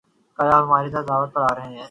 کل آپ ہماری طرف دعوت پر آرہے ہیں